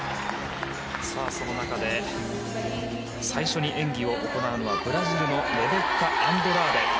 その中で、最初に演技を行うのはブラジルのレベッカ・アンドラーデ。